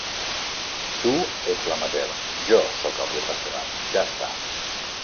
Tu ets l'amateur, jo sóc el professional. Ja està.